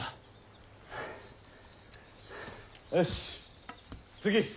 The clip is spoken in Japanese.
よし次。